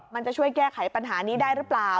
มันจะช่วยแก้ไขปัญหานี้ได้หรือเปล่า